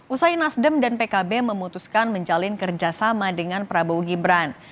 usai nasdem dan pkb memutuskan menjalin kerjasama dengan prabowo gibran